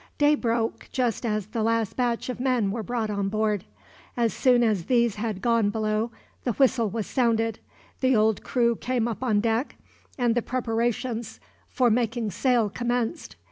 Day broke, just as the last batch of men were brought on board. As soon as these had gone below the whistle was sounded, the old crew came up on deck, and the preparations for making sail commenced.